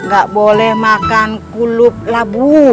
gak boleh makan kuluk labu